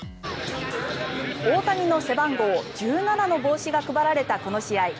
大谷の背番号１７の帽子が配られたこの試合。